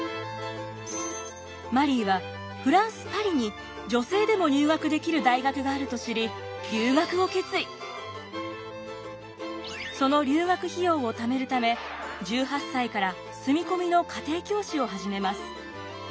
マリーはフランス・パリに女性でも入学できる大学があると知りその留学費用を貯めるため１８歳から住み込みの家庭教師を始めます。